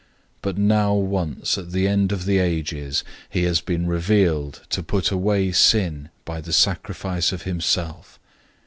But now once at the end of the ages, he has been revealed to put away sin by the sacrifice of himself.